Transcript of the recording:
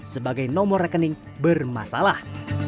sebagai nomor rekening bermasalah